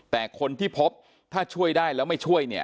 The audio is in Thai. แต่คนที่พบถ้าช่วยได้แล้วไม่ช่วยเนี่ย